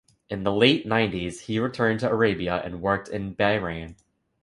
In the late nineties he returned to Arabia and worked in Bahrain.